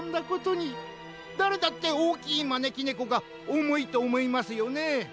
だれだっておおきいまねきねこがおもいとおもいますよねえ。